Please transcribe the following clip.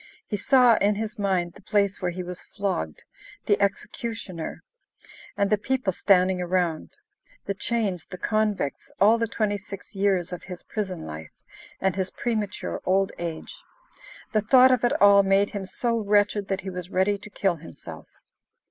He saw, in his mind, the place where he was flogged, the executioner, and the people standing around; the chains, the convicts, all the twenty six years of his prison life, and his premature old age. The thought of it all made him so wretched that he was ready to kill himself.